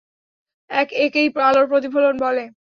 একেই আলোর প্রতিফলন বলে।